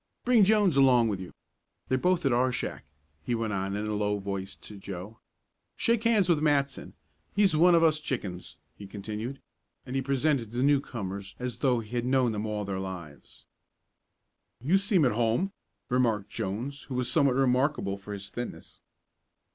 "Bring Jones along with you. They're both at our shack," he went on in a low voice to Joe. "Shake hands with Matson he's one of us chickens," he continued, and he presented the newcomers as though he had known them all their lives. "You seem at home," remarked Jones, who was somewhat remarkable for his thinness.